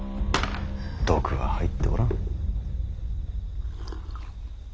毒は入っておらん。